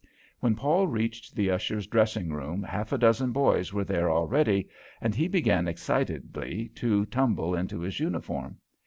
When Paul reached the ushers' dressing room half a dozen boys were there already, and he began excitedly to tumble into his uniform.